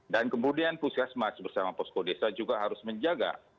dan kemudian pusiasmas bersama posko desa juga harus menjaga